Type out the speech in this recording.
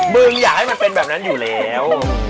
มึงอยากให้มันเป็นแบบนั้นอยู่แล้ว